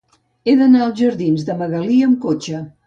He d'anar als jardins de Magalí amb cotxe.